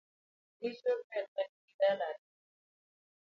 Dichuo ber manigi dalane